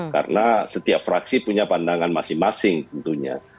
karena setiap fraksi punya pandangan masing masing tentunya